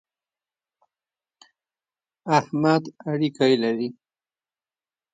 احمد اړېکی لري.